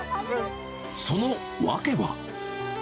その訳は。